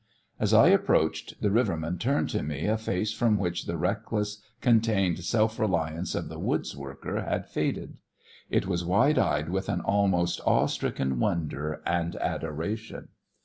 As I approached, the riverman turned to me a face from which the reckless, contained self reliance of the woods worker had faded. It was wide eyed with an almost awe stricken wonder and adoration.